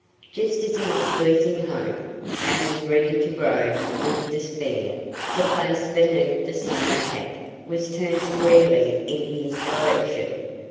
Just as he was losing hope and was ready to groan with despair, the face beneath the sailor hat was turned squarely in his direction.